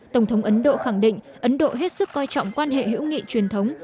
tổng thống ấn độ khẳng định ấn độ hết sức coi trọng quan hệ hữu nghị truyền thống